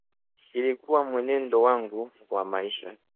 Ilikuwa mwenendo wangu wa maisha